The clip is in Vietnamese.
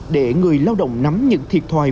để người lao động nắm những thiệt thoại